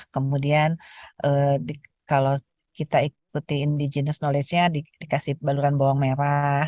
kemudian kalau kita ikuti indigenous knowledge nya dikasih baluran bawang merah